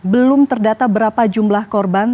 belum terdata berapa jumlah korban